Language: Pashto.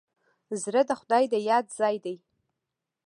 زړه د خدای د یاد ځای دی.